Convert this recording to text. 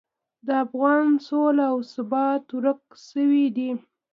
د افغانستان سوله او ثبات ورک شوي دي.